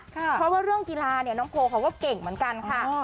เพราะว่าเรื่องกีฬาเนี่ยน้องโพลเขาก็เก่งเหมือนกันค่ะ